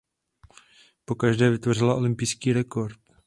Pokaždé vytvořila olympijský rekord.